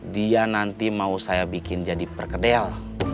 dia nanti mau saya bikin jadi perkedel